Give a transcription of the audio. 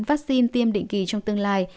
vaccine tiêm định kỳ trong tương lai